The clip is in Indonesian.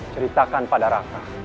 ceritakan pada raka